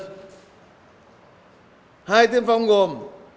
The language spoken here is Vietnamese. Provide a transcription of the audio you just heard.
hai tiên phong gồm